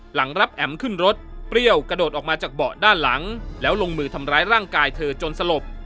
หลังรับแอ๋มขึ้นรถเปรี้ยวกระโดดออกมาจากเบาะด้านหลังแล้วลงมือทำร้ายร่างกายเธอจนสลบ